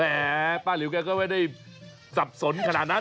ป้าหลิวแกก็ไม่ได้สับสนขนาดนั้น